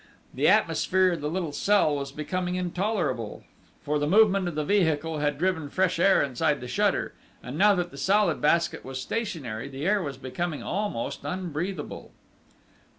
The atmosphere in the little cell was becoming intolerable; for the movement of the vehicle had driven fresh air inside the shutter, and now that the Salad Basket was stationary, the air was becoming almost unbreathable.